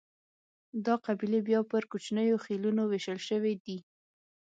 دا قبیلې بیا پر کوچنیو خېلونو وېشل شوې دي.